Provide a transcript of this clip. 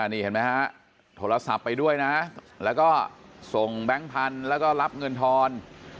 นี่เห็นไหมฮะโทรศัพท์ไปด้วยนะแล้วก็ส่งแบงค์พันธุ์แล้วก็รับเงินทอน